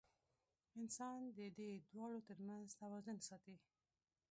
انسان د دې دواړو تر منځ توازن ساتي.